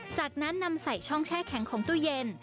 จากนั้นนำใส่ช่องแช่แข็งของตู้เย็น